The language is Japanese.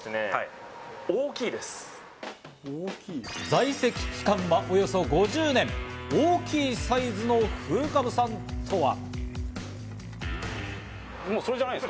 在籍期間はおよそ５０年、大きいサイズの古株さんとは？